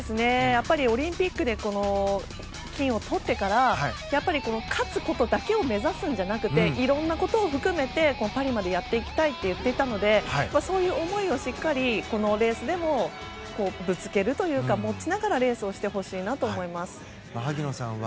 やっぱりオリンピックで金メダルを取ってからやっぱり勝つことだけを目指すんじゃなくて色んなことを含めてパリまでやっていきたいと言っていたのでそういう思いをしっかりこのレースでもぶつけるというか持ちながらレースをしてほしいなと思います。